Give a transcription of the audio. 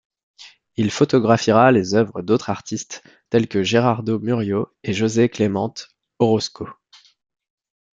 Il photographiera les œuvres d'autres artistes tels Gerardo Murillo, et José Clemente Orozco.